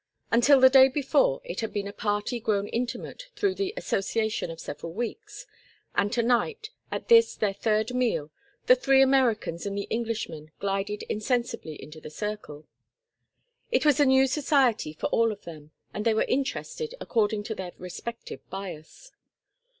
Until the day before it had been a party grown intimate through the association of several weeks, and to night, at this their third meal, the three Americans and the Englishman glided insensibly into the circle. It was a new society for all of them, and they were interested according to their respective bias.